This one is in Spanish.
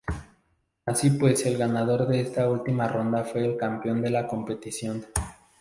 Así pues el ganador de esta última ronda fue el campeón de la competición.